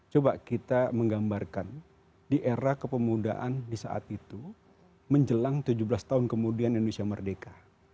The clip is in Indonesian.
coba kita menggambarkan di era kepemudaan di saat itu menjelang tujuh belas tahun kemudian indonesia merdeka